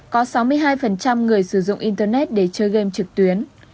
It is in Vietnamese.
có sáu mươi hai người sử dụng internet để chơi game trực tuyến